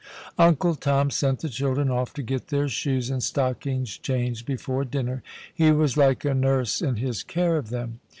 Uncle Tom sent the children off to get their shoes and stockings changed before dinner. He was like a nurse in his care of them.